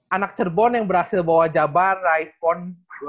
anak cerbon yang berhasil bawa jabar raif pond dua ribu enam belas